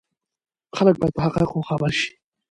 خلک باید په حقایقو خبر شي.